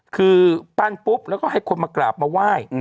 คือปั้นปุ๊บแล้วก็ให้คนมากราบมาไหว้